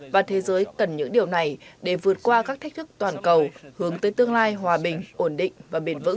và thế giới cần những điều này để vượt qua các thách thức toàn cầu hướng tới tương lai hòa bình ổn định và bền vững